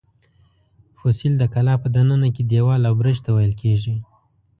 فصیل د کلا په دننه کې دېوال او برج ته ویل کېږي.